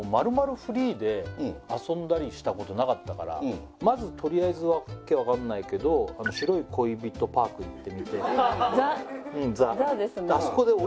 フリーで遊んだりしたことなかったからまずとりあえずワケ分かんないけど白い恋人パーク行ってみてＴＨＥＴＨＥですね